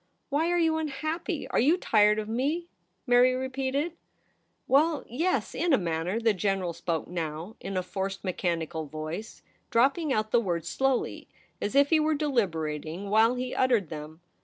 ' Why are you unhappy ? Are you tired of me ?' Mary repeated. * Well — yes — in a manner.' The General spoke now in a forced, mechanical voice, dropping out the words slowly, as if he were deliberating while he uttered them.